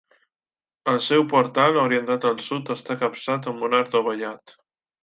El seu portal, orientat al sud, està capçat amb un arc dovellat.